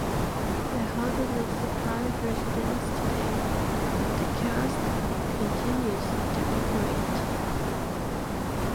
The hotel is a private residence today, but the kiosk continues to operate.